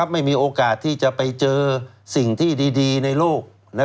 ไม่มีโอกาสที่จะไปเจอสิ่งที่ดีในโลก